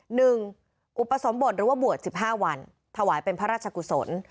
อุปสมบทหรือว่าบวชสิบห้าวันถวายเป็นพระราชกุศล